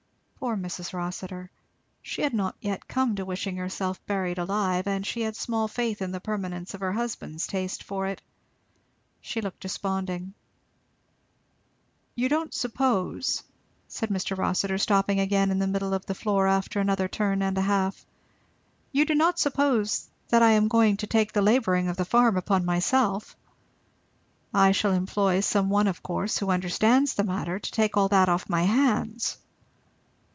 Poor Mrs. Rossitur. She had not yet come to wishing herself buried alive, and she had small faith in the permanence of her husband's taste for it. She looked desponding. "You don't suppose," said Mr. Rossitur stopping again in the middle of the floor after another turn and a half, "you do not suppose that I am going to take the labouring of the farm upon myself? I shall employ some one of course, who understands the matter, to take all that off my hands."